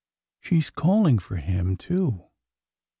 She 's calling for him, too